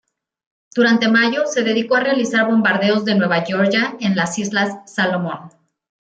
Durante mayo, se dedicó a realizar bombardeos de Nueva Georgia en las Islas Salomón.